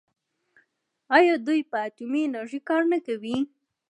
آیا دوی په اټومي انرژۍ کار نه کوي؟